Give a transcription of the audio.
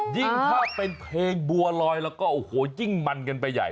ยิ่งถ้าเป็นเพลงบัวลอยแล้วก็โอ้โหยิ่งมันกันไปใหญ่